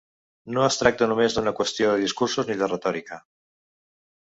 No es tracta només d’una qüestió de discursos ni de retòrica.